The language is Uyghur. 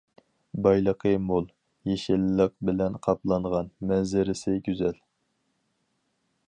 بايلىقى مول، يېشىللىق بىلەن قاپلانغان، مەنزىرىسى گۈزەل.